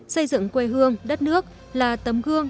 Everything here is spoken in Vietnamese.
xây dựng quê hương đất nước là tấm gương